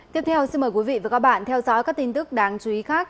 tiếp theo xin mời quý vị và các bạn theo dõi các tin tức đáng chú ý khác